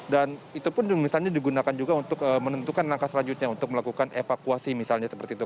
dan itu pun misalnya digunakan juga untuk menentukan langkah selanjutnya untuk melakukan evakuasi misalnya seperti itu